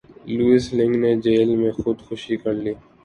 Louis لنگ نے jail میں خود کشی کر لی